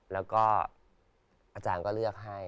แล้วก็อาจารย์ก็เลือกให้